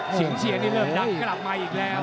เสียงเชียร์นี่เริ่มดังกลับมาอีกแล้ว